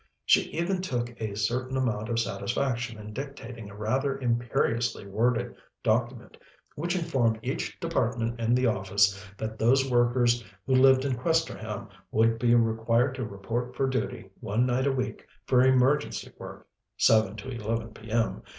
She even took a certain amount of satisfaction in dictating a rather imperiously worded document, which informed each department in the office that those workers who lived in Questerham would be required to report for duty one night a week for emergency work (7 to 11 P.M.)